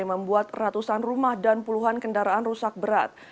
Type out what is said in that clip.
membuat ratusan rumah dan puluhan kendaraan rusak berat